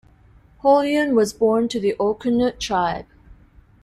Hoelun was born to the Olkhunut tribe.